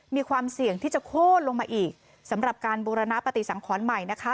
มีความเสี่ยงที่จะโค้นลงมาอีกสำหรับการบูรณปฏิสังขรใหม่นะคะ